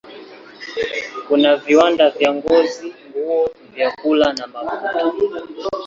Kuna viwanda vya ngozi, nguo, vyakula na mafuta.